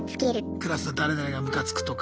クラスの誰々がムカつくとか。